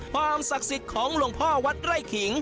ความศักดิ์สิทธิ์ของหลวงพ่อวัดไร่ขิง